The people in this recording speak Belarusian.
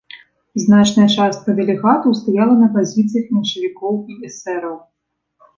Значная частка дэлегатаў стаяла на пазіцыях меншавікоў і эсэраў.